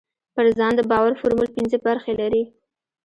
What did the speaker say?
پر ځان د باور فورمول پينځه برخې لري.